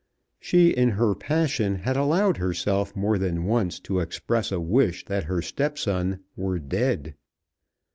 She in her passion had allowed herself more than once to express a wish that her stepson were dead.